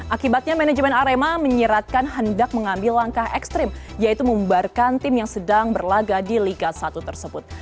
akibatnya manajemen arema menyeratkan hendak mengambil langkah ekstrim yaitu membarkan tim yang sedang berlaga di liga satu tersebut